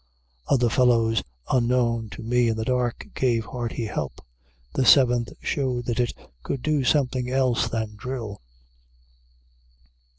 Other fellows, unknown to me in the dark, gave hearty help. The Seventh showed that it could do something else than drill.